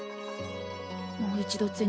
もう一度銭